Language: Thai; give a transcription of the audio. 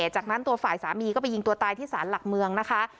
จากนั้นตัวฝ่ายสามีก็ไปยิงตัวตายที่สารหลักเมืองนะคะ